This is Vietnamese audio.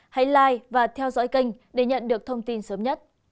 hãy live và theo dõi kênh để nhận được thông tin sớm nhất